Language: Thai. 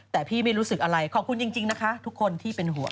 แต่พี่ไม่รู้สึกอะไรขอบคุณจริงนะคะทุกคนที่เป็นห่วง